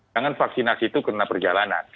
jangan vaksinasi itu kena perjalanan